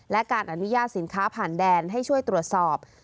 และการอนุญาตสินค้าผ่านแดนให้ช่วยตรวจสอบ